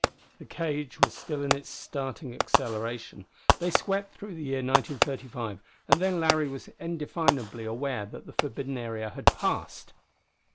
The cage was still in its starting acceleration. They swept through the year 1935, and then Larry was indefinably aware that the forbidden area had passed.